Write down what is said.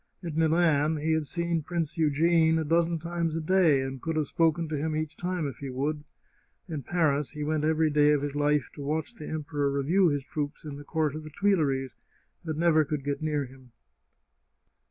At Milan he had seen Prince Eu gene a dozen times a day, and could have spoken to him each time if he would. In Paris he went every day of his life to watch the Emperor review his troops in the court of the Tuileries, but never could get near him.